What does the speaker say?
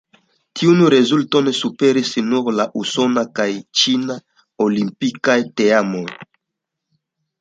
Tiun rezulton superis nur la usona kaj ĉina olimpikaj teamoj.